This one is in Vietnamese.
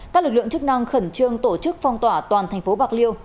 các lực lượng chức năng khẩn trương tổ chức phong tỏa toàn thành phố bạc liêu